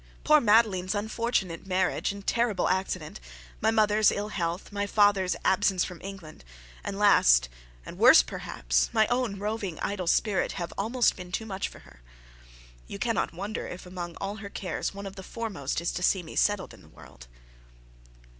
Poor Madeline's unfortunate marriage and terrible accident, my mother's ill health, my father's absence from England, and last, and worst perhaps my own roving, idle spirit have almost been too much for her. You cannot wonder if among all her cares one of the foremost is to see me settled in the world.'